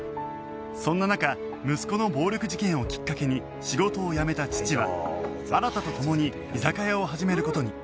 そんな中息子の暴力事件をきっかけに仕事を辞めた父は新と共に居酒屋を始める事に